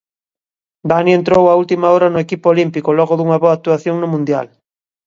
Dani entrou á última hora no equipo olímpico logo dunha boa actuación no mundial.